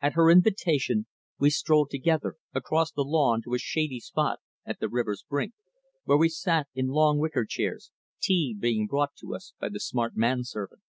At her invitation we strolled together across the lawn to a shady spot at the river's brink, where we sat in long wicker chairs, tea being brought to us by the smart man servant.